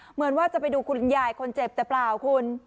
เหมือนว่าจะไปดูคุณยายคนเจ็บแต่เปล่าคุณ